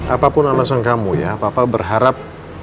apapun alasan kamu ya papa berharap